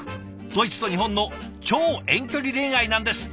ドイツと日本の超遠距離恋愛なんですって。